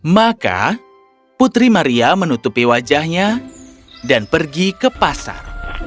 maka putri maria menutupi wajahnya dan pergi ke pasar